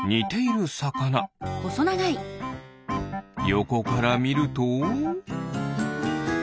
よこからみると？